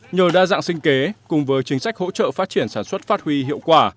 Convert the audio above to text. nhờ đa dạng sinh kế cùng với chính sách hỗ trợ phát triển sản xuất phát huy hiệu quả